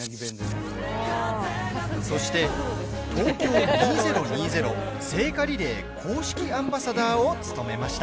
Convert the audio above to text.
そして、東京２０２０聖火リレー公式アンバサダーを務めました。